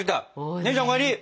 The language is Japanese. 姉ちゃんお帰り！